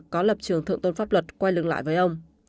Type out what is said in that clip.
có lập trường thượng tôn pháp luật quay lưng lại với ông